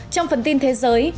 trong phần tin thế giới